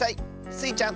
スイちゃん